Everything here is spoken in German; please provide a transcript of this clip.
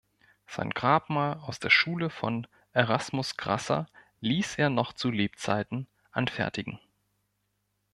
Sein Grabmal aus der Schule von Erasmus Grasser ließ er noch zu Lebzeiten anfertigen.